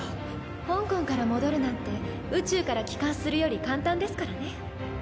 ホンコンから戻るなんて宇宙から帰還するより簡単ですからね。